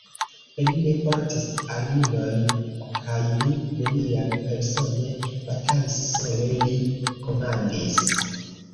Li ne portis armilojn kaj li neniam persone batalis, sole li komandis.